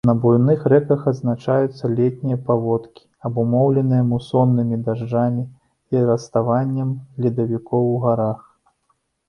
На буйных рэках адзначаюцца летнія паводкі, абумоўленыя мусоннымі дажджамі і раставаннем ледавікоў у гарах.